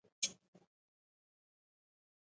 څرخ د یوه ثابت محور په شاوخوا ازاد ډول حرکت کوي.